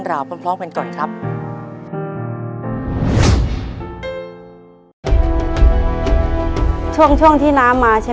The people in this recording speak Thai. ในแคมเปญพิเศษเกมต่อชีวิตโรงเรียนของหนู